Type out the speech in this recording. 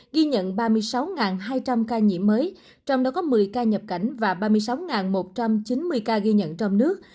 ghi nhận ba mươi sáu hai trăm linh ca nhiễm mới trong đó có một mươi ca nhập cảnh và ba mươi sáu một trăm chín mươi ca ghi nhận trong nước